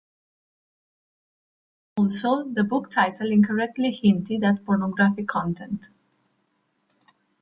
Also, the book title incorrectly hinted at pornographic content.